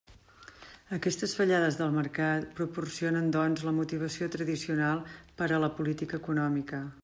Aquestes fallades del mercat proporcionen, doncs, la motivació tradicional per a la política econòmica.